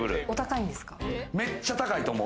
めっちゃ高いと思う。